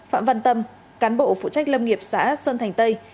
phạm văn tâm cán bộ phụ trách lâm nghiệp xã sơn thành tây